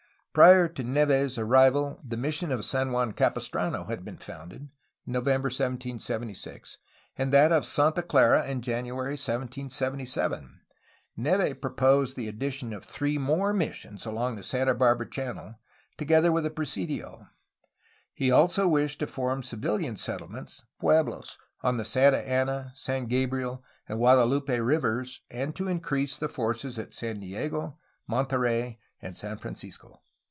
Prior to Neve's arrival the mission of San Juan Capistrano had been founded, in November 1776, and that of Santa Clarg, in January 1777. Neve proposed the addition of three more missions along the Santa Barbara Channel, together with a presidio. He also wished to form civilian settlements {pueblos) on the Santa Ana, San Gabriel, and Guadalupe rivers and to increase the forces at San Diego, Monterey, and San Francisco.